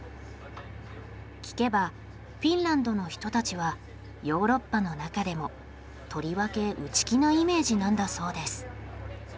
聞けばフィンランドの人たちはヨーロッパの中でもとりわけ内気なイメージなんだそうです。